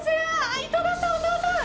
井戸田さん、小沢さん